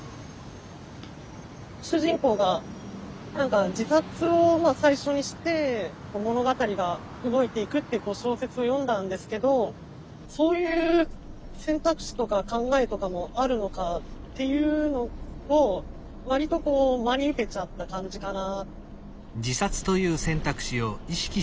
主人公が何か自殺を最初にして物語が動いていくっていう小説を読んだんですけどそういう選択肢とか考えとかもあるのかっていうのを割と真に受けちゃった感じかな。